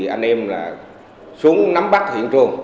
anh em xuống nắm bắt hiện trường